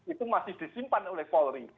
itu masih disimpan oleh polri